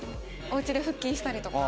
おうちで腹筋したりとか。